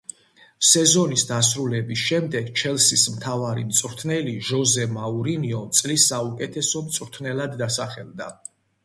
სეზონის დასრულების შემდეგ „ჩელსის“ მთავარი მწვრთნელი, ჟოზე მოურინიო წლის საუკეთესო მწვრთნელად დასახელდა.